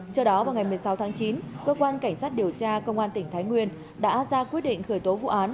trước đó vào ngày một mươi sáu tháng chín cơ quan cảnh sát điều tra công an tỉnh thái nguyên đã ra quyết định khởi tố vụ án